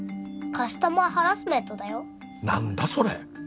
カスタマーハラスメントだよ何だそれ？